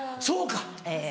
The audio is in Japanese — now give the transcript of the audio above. そうか！